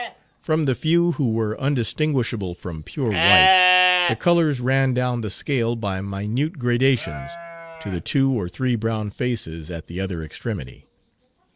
From the few who were undistinguishable from pure white, the colors ran down the scale by minute gradations to the two or three brown faces at the other extremity.